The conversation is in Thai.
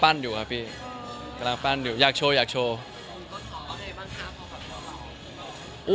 กำลังปั้นอยู่ครับพี่กำลังปั้นอยู่อยากโชว์อยากโชว์